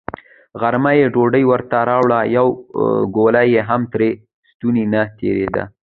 غرمه يې ډوډۍ ورته راوړه، يوه ګوله يې هم تر ستوني نه تېرېده.